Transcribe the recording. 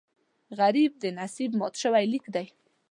غریب د نصیب مات شوی لیک دی